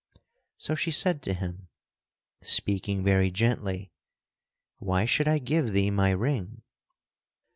So she said to him, speaking very gently, "Why should I give thee my ring?"